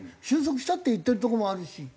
収束したって言ってるとこもあるし。